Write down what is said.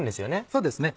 そうですね。